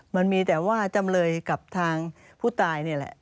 มันมีแต่ว่าจำเลยกับทางผู้ตายนี่แหละ